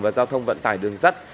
và giao thông vận tải đường sắt